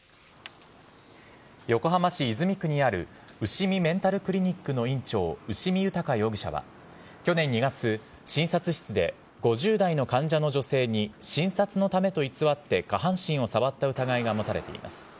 横浜市泉区にあるうしみメンタルクリニックの院長、牛見豊容疑者は、去年２月、診察室で５０代の患者の女性に診察のためと偽って、下半身を触った疑いが持たれています。